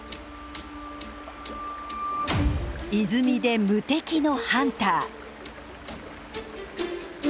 泉で無敵のハンター。